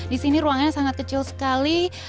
disini ruangnya sangat kecil sekali